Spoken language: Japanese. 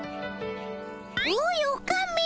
おいオカメ！